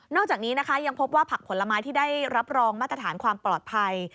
จากนี้นะคะยังพบว่าผักผลไม้ที่ได้รับรองมาตรฐานความปลอดภัย